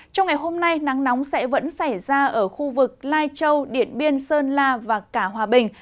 trong ngày hôm nay nắng nóng sẽ vẫn xảy ra ở khu vực lai châu điện biên sơn la và cả hòa bình